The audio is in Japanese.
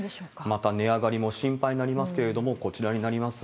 また値上がりも心配になりますけれども、こちらになります。